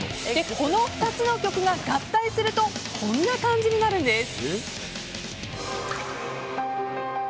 この２つの曲が合体するとこんな感じになるんです。